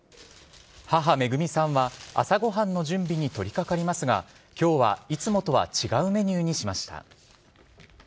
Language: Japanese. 母、めぐみさんは朝ごはんの準備にとりかかりますが、きょうはいつもとは違うメニューにしました。